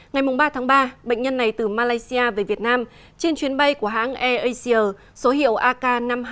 ngày ba tháng ba bệnh nhân này từ malaysia về việt nam trên chuyến bay của hãng air asia số hiệu ak năm trăm hai mươi bốn